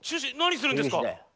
何するんですか！